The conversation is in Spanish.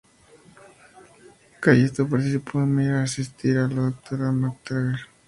Callisto partió a Muir para asistir a la Dra, MacTaggert.